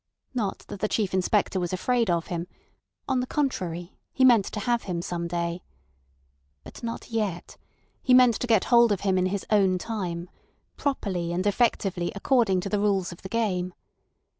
Not that the Chief Inspector was afraid of him; on the contrary, he meant to have him some day. But not yet; he meant to get hold of him in his own time, properly and effectively according to the rules of the game.